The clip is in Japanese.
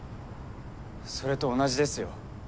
それと同じですよ。